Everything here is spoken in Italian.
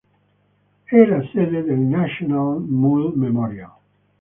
È la sede del National Mule Memorial.